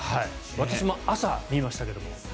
私も朝見ましたけども。